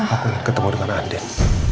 aku ingin ketemu dengan anden